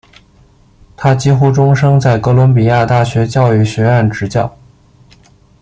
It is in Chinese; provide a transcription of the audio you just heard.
他几乎终生在哥伦比亚大学教育学院执教。